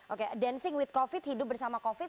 oke dancing with covid hidup bersama covid